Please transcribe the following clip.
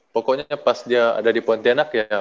pokoknya pas dia ada di pontianak ya